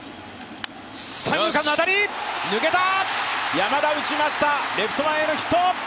山田打ちました、レフト前のヒット！